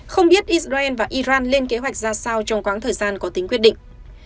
không biết israel và iran lên kế hoạch ra sao trong quãng thời gian có tính quyết định